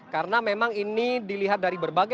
karena memang ini dilihat dari berbahasa